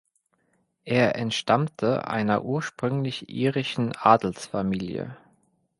Er entstammte einer ursprünglich irischen Adelsfamilie.